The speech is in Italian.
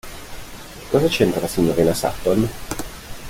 Che cosa c'entra la signorina Sutton?